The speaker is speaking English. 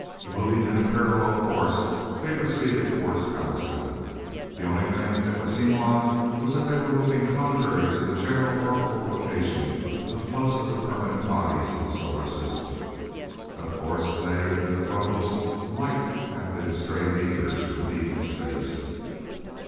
Moving in a parallel course, they proceeded toward Pallastown. The only thing that would seem odd was that they were moving contrary to the general orbital rotation of most of the permanent bodies of the solar system. Of course they and their bundles might have been stray meteors from deep in space.